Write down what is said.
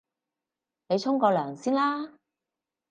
你沖個涼先啦